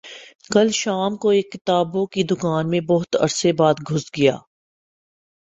کل شام کو ایک کتابوں کی دکان میں بہت عرصے بعد گھس گیا